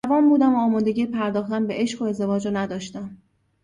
جوان بودم و آمادگی پرداختن به عشق و ازدواج را نداشتم.